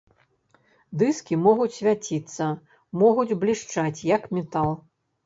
Дыскі могуць свяціцца, могуць блішчаць, як метал.